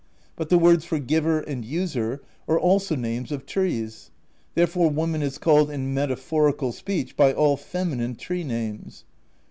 But the words for 'giver' and 'user' are also names of trees; therefore woman is called in metaphor ical speech by all feminine tree names.